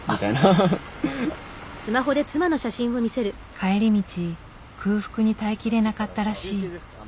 帰り道空腹に耐えきれなかったらしい。